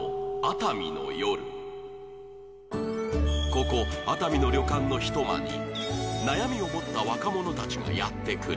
ここ熱海の旅館の一間に悩みを持った若者たちがやってくる